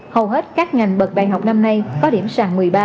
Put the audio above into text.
hầu hết các ngành bật bài học năm nay có điểm sàn một mươi ba